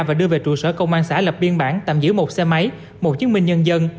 và đưa về trụ sở công an xã lập biên bản tạm giữ một xe máy một chứng minh nhân dân